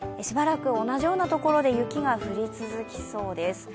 しばらく同じようなところで雪が降り続きそうです。